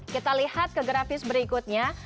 kita lihat ke grafis berikutnya